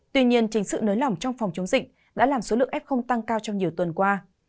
tuy nhiên chính sự nới lỏng trong phòng chống dịch đã làm số lượng f tăng cao trong nhiều tuần qua